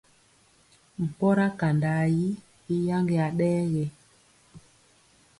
Mpɔra kandaa yi i yaŋgeya ɗɛ ge.